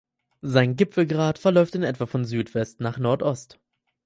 Sein Gipfelgrat verläuft in etwa von Südwest nach Nordost.